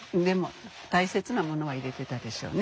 大切なものは入れてたでしょうね。